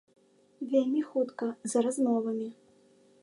Вельмі хутка, за размовамі.